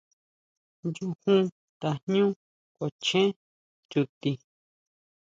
Nyujun tajñú kuachen chuti.